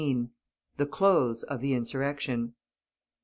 XIX. THE CLOSE OF THE INSURRECTION.